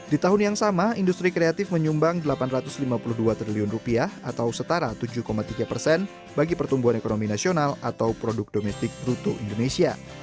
di tahun yang sama industri kreatif menyumbang delapan ratus lima puluh dua triliun rupiah atau setara tujuh tiga persen bagi pertumbuhan ekonomi nasional atau produk domestik bruto indonesia